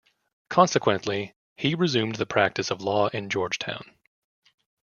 Consequently, he resumed the practice of law in Georgetown.